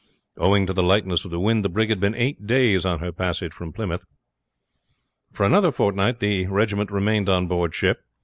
Owing to the lightness of the wind the brig had been eight days on her passage from Plymouth. For another fortnight the regiment remained on board ship.